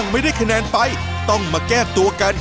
ไม่ได้คะแนนไปต้องมาแก้ตัวกัน